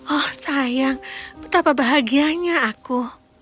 oh sayang betapa bahagianya aku